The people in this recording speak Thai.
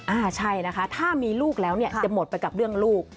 อ่าใช่นะคะถ้ามีลูกแล้วเนี่ยจะหมดไปกับเรื่องลูก